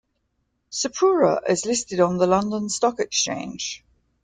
Sepura is listed on the London Stock Exchange.